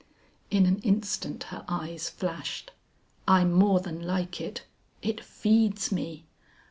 In an instant her eyes flashed. "I more than like it; it feeds me.